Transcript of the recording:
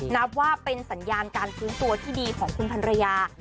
นับว่าเป็นสัญญาณการฟื้นตัวที่ดีของคุณพันรยา